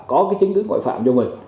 có cái chứng cứ ngoại phạm cho mình